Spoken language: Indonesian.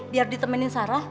biar ditemenin sarah